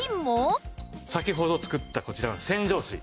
先ほど作ったこちらの洗浄水。